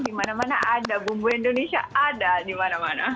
dimana mana ada bumbu indonesia ada dimana mana